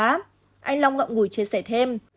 anh long ngọc ngũi chia sẻ thêm